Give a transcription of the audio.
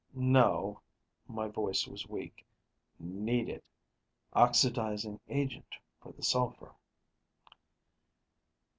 "No." My voice was weak, "Need it. Oxidizing agent for the sulfur."